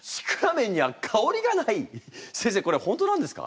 先生これは本当なんですか？